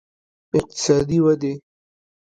اقتصادي ودې